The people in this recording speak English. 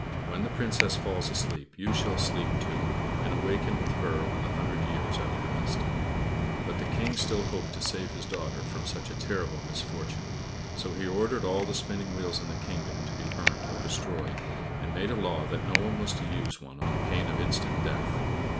"When the Princess falls asleep, you shall sleep, too; and awaken with her when the hundred years are passed." But the King still hoped to save his daughter from such a terrible misfortune. So he ordered all the spinning wheels in his kingdom to be burnt or destroyed, and made a law that no one was to use one on pain of instant death.